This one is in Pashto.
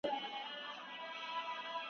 مشر بايد د خلګو خدمتګار وي.